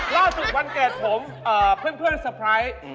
ล่าสุดวันเกรดผมเพื่อนสเตอร์ไพรส์